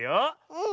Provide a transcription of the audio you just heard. うん。